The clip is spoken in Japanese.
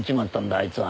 あいつは。